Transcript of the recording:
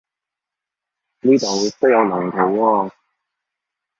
呢度都有龍圖喎